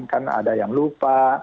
kan ada yang lupa